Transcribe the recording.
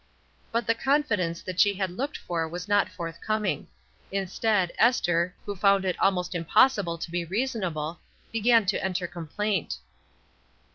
But the confidence that she had looked for was not forthcoming. Instead, Esther, who found it almost impossible to be reasonable, began to enter complaint.